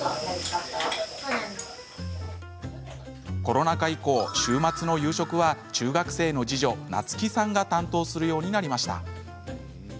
コロナ禍以降週末の夕食は次女の菜月さんが担当するようになりました。